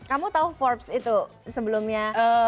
kamu tahu forbes itu sebelumnya